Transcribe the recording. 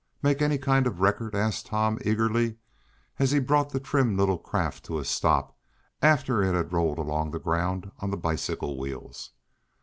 Make any kind of a record?" asked Tom eagerly, as he brought the trim little craft to a stop, after it had rolled along the ground on the bicycle wheels.